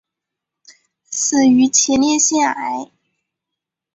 死于前列腺癌。